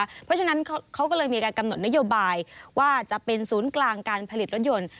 เพราะฉะนั้นเขาก็เลยมีการกำหนดนโยบายว่าจะเป็นศูนย์กลางการผลิตรถยนต์